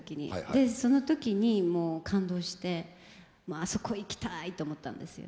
でその時にもう感動してもうあそこ行きたい！と思ったんですよ。